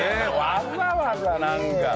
わざわざなんか。